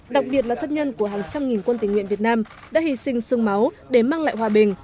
đặc biệt là thất nhân của hàng trăm nghìn quân tình nguyện việt nam đã hy sinh sương máu để mang lại hòa bình